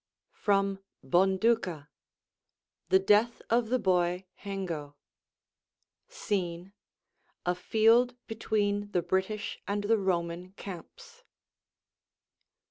FROM 'BONDUCA' THE DEATH OF THE BOY HENGO [_Scene: A field between the British and the Roman camps.